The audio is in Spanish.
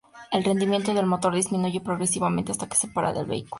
El rendimiento del motor disminuye progresivamente hasta que se para el vehículo.